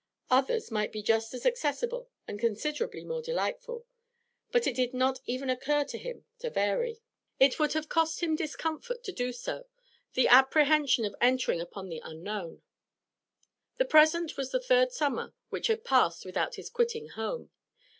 Others might be just as accessible and considerably more delightful, but it did not even occur to him to vary. It would have cost him discomfort to do so, the apprehension of entering upon the unknown. The present was the third summer which had passed without his quitting home.